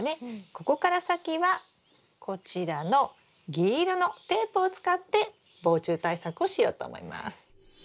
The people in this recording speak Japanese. ここから先はこちらの銀色のテープを使って防虫対策をしようと思います。